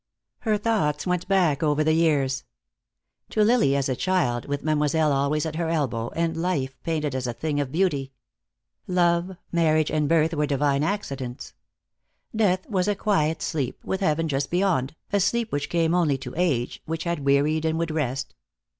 Her thoughts went back over the years. To Lily as a child, with Mademoiselle always at her elbow, and life painted as a thing of beauty. Love, marriage and birth were divine accidents. Death was a quiet sleep, with heaven just beyond, a sleep which came only to age, which had wearied and would rest.